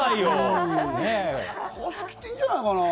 貸し切っていいんじゃないかなぁ？